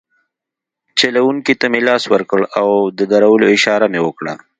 چلونکي ته مې لاس ورکړ او د درولو اشاره مې وکړه.